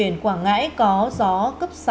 biển quảng ngãi có gió cấp sáu